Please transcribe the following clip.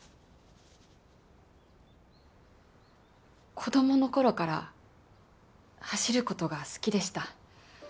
子どもの頃から走る事が好きでした。